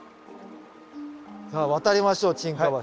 さあ渡りましょう沈下橋。